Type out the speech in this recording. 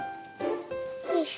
よいしょ。